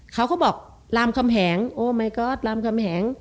เขาก็บอกรามคำแหงโอ้ไมกอสรามคำแหง